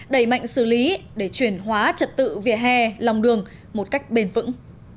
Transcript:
đẩy mạnh xử lý để chuyển hóa trật tự vỉa hè lòng đường một cách bền vững